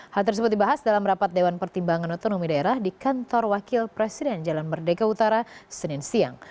hal tersebut dibahas dalam rapat dewan pertimbangan otonomi daerah di kantor wakil presiden jalan merdeka utara senin siang